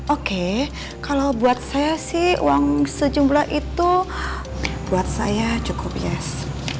oke kalau buat saya sih uang sejumlah itu buat saya cukup yes